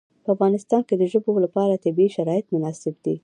په افغانستان کې د ژبو لپاره طبیعي شرایط مناسب دي.